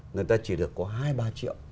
người ta chỉ được có hai ba triệu